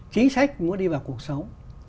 chính sách muốn đi vào cuộc sống